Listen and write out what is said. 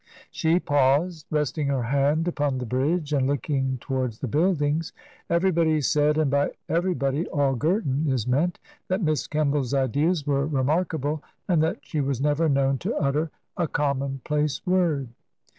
She paused, resting her hand upon the bridge and looking towards the buildings. Everybody said — and by "everybody" all Girton is meant — that Miss Kemball's ideas were remarkable, and that she was never known to utter a commonplace word.